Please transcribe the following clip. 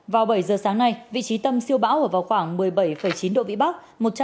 vào bảy giờ sáng nay vị trí tâm siêu bão ở vào khoảng một mươi bảy chín độ vĩ bắc